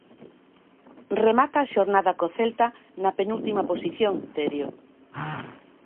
Remata a xornada co Celta na penúltima posición, Terio.